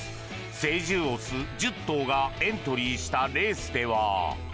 成獣オス１０頭がエントリーしたレースでは。